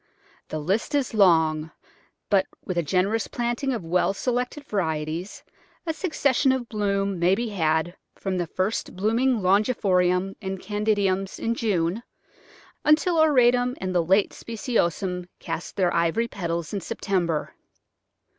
The list is long, but with a generous planting of well selected varieties a succession of bloom may be had from the first blooming longiflorums and candidums in June until auratum and the late speciosums cast their ivory petals in September.